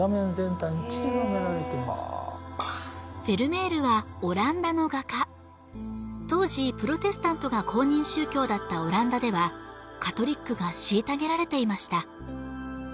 フェルメールはオランダの画家当時プロテスタントが公認宗教だったオランダではカトリックが虐げられていました